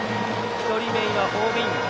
１人目、ホームイン。